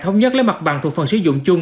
thống nhất lấy mặt bằng thuộc phần sử dụng chung